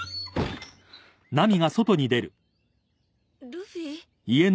ルフィ？